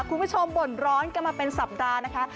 คุณผู้ชมบ่นร้อนกันมาเป็นสัปดาห์นะคะ